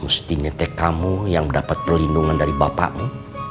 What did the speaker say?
mestinya tkmu yang mendapat perlindungan dari bapakmu